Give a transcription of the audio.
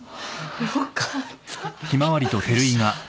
よかった。